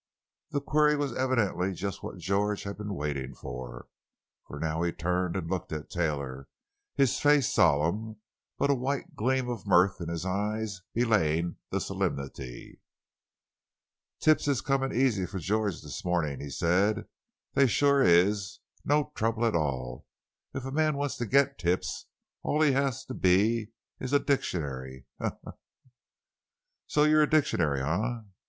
The query was evidently just what "George" had been waiting for. For now he turned and looked at Taylor, his face solemn, but a white gleam of mirth in his eyes belying the solemnity. "Tips is comin' easy for George this mornin'," he said; "they shuah is. No trouble at all. If a man wants to get tips all he has to be is a dictionary—he, he, he!" "So you're a dictionary, eh?